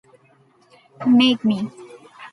Make me!